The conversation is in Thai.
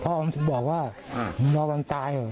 พ่อมันบอกว่ามึงรอวันตาย